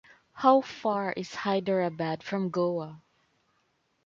How far is Hyderabad from Goa?